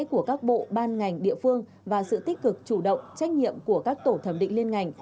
của các bộ ban ngành địa phương và sự tích cực chủ động trách nhiệm của các tổ thẩm định liên ngành